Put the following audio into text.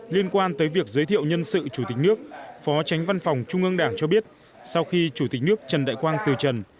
liên quan tới việc giới thiệu nhân sự chủ tịch nước phó tránh văn phòng trung ương đảng cho biết sau khi chủ tịch nước trần đại quang từ trần